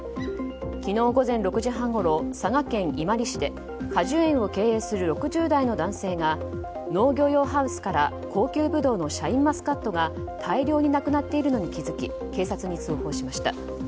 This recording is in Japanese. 昨日午前６時半ごろ佐賀県伊万里市で果樹園を経営する６０代の男性が農業用ハウスから高級ブドウのシャインマスカットが大量になくなっていることに気づき警察に通報しました。